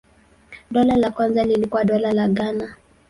Dola la kwanza lilikuwa Dola la Ghana.